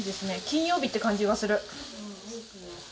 金曜日って感じがする。